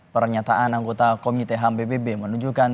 pernyataan anggota komite ham bbb menunjukkan